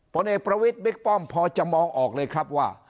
ผลเอกประวิทย์บิ๊กป้อมพอจะมองออกเลยครับว่า